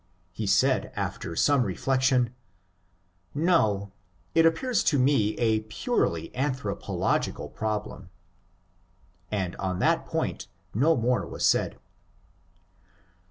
He said after some reflection, ^ No. It appears to me a purely anthropological problem.'^ And on that point no more was said.